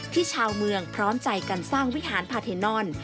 ชาวเมืองพร้อมใจกันสร้างวิหารพาเทนอน